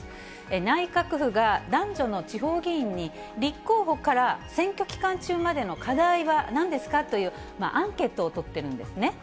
内閣府が男女の地方議員に、立候補から選挙期間中までの課題はなんですかというアンケートを取ってるんですね。